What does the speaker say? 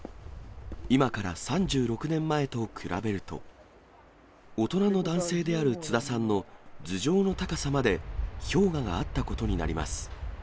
今から３６年前と比べると、大人の男性である津田さんの頭上の高さまで氷河があったことになります。